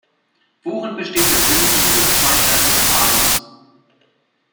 Worin besteht der Sinn dieses zweigleisigen Fahrens?